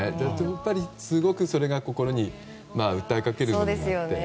やっぱり、すごくそれが心に訴えかけるんですよね。